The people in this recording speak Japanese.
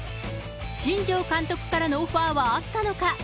新庄監督からのオファーはあったのか。